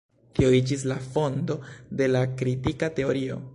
Tio iĝis la fondo de la kritika teorio.